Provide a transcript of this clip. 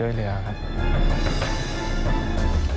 อันดับสุดท้ายของพี่รัตติว